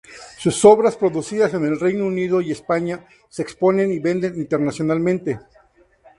Sus obras, producidas en el Reino Unido y España, se exponen y venden internacionalmente.